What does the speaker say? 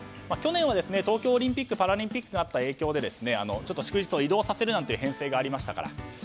去年は東京オリンピック・パラリンピックがあった影響で祝日を移動させるという編成がありましたから。